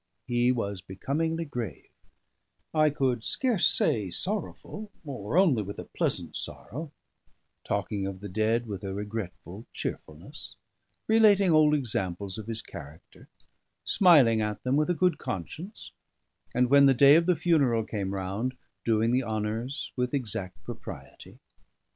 He was becomingly grave; I could scarce say sorrowful, or only with a pleasant sorrow; talking of the dead with a regretful cheerfulness, relating old examples of his character, smiling at them with a good conscience; and when the day of the funeral came round, doing the honours with exact propriety.